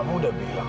kamu udah bilang